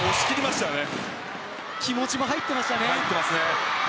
気持ちも入っていましたね。